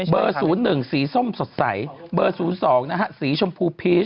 เบอร์ศูนย์หนึ่งสีส้มสดใสเบอร์ศูนย์สองนะฮะสีชมพู